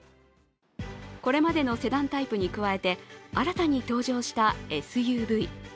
これまでのセダンタイプに加えて新たに登場したＳＵＶ。